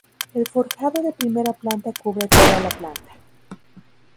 El forjado de primera planta cubre toda la planta.